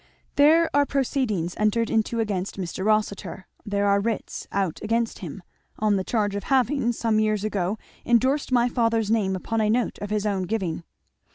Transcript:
"There are proceedings entered into against Mr. Rossitur there are writs out against him on the charge of having, some years ago, endorsed my father's name upon a note of his own giving.